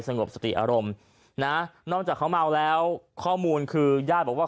งบสติอารมณ์นะนอกจากเขาเมาแล้วข้อมูลคือญาติบอกว่า